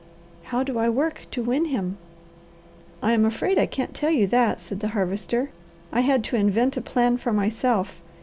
"How do I work to win him?" "I am afraid I can't tell you that," said the Harvester. "I had to invent a plan for myself.